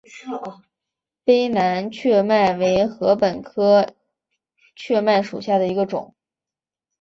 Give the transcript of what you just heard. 卑南雀麦为禾本科雀麦属下的一个种。